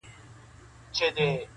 ګټه په سړه سینه کیږي -